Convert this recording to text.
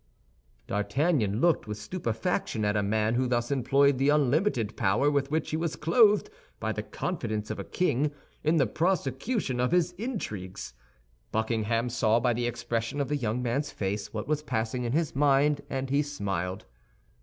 D'Artagnan looked with stupefaction at a man who thus employed the unlimited power with which he was clothed by the confidence of a king in the prosecution of his intrigues. Buckingham saw by the expression of the young man's face what was passing in his mind, and he smiled.